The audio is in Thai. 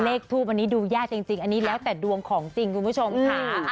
ทูปอันนี้ดูยากจริงอันนี้แล้วแต่ดวงของจริงคุณผู้ชมค่ะ